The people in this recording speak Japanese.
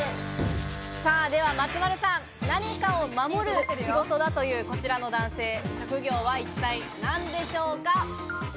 松丸さん、何かを守る仕事だというこちらの男性、職業は一体何でしょうか？